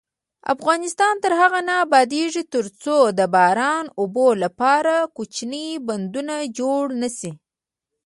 افغانستان تر هغو نه ابادیږي، ترڅو د باران اوبو لپاره کوچني بندونه جوړ نشي.